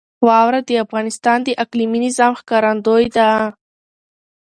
واوره د افغانستان د اقلیمي نظام ښکارندوی ده.